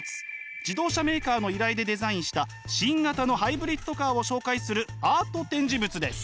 自動車メーカーの依頼でデザインした新型のハイブリッドカーを紹介するアート展示物です。